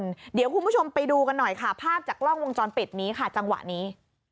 เพราะว่าคุณผู้ชมไปดูกันหน่อยภาพจากร่องวงจรปิดจังหวะนี้